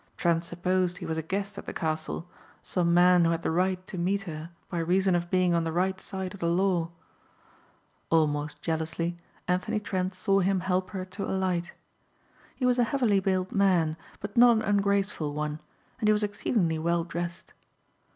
Trent supposed he was a guest at the castle, some man who had the right to meet her by reason of being on the right side of the law. Almost jealously Anthony Trent saw him help her to alight. He was a heavily built man but not an ungraceful one and he was exceedingly well dressed.